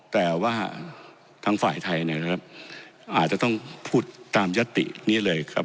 แต่ว่าทางฝ่ายไทยเนี่ยนะครับอาจจะต้องพูดตามยัตตินี้เลยครับ